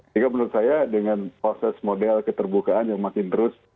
jadi menurut saya dengan proses model keterbukaan yang makin terus